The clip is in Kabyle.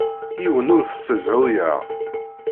Yiwen ur t-ssezhuyeɣ.